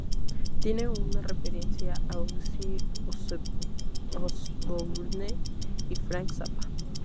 Tiene una referencia a Ozzy Osbourne y Frank Zappa.